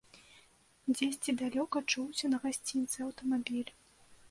Дзесьці далёка чуўся на гасцінцы аўтамабіль.